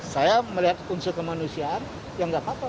saya melihat unsur kemanusiaan yang tidak apa apa